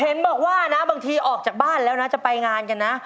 เห็นบอกว่านะบางทีออกจากบ้านแล้วนะจะไปงานกันนะ